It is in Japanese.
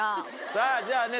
さぁじゃあね